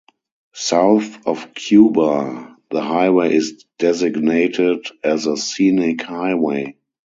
South of Cuba, the highway is designated as a scenic highway.